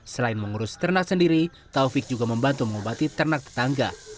selain mengurus ternak sendiri taufik juga membantu mengobati ternak tetangga